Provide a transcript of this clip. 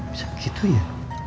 bisa begitu ya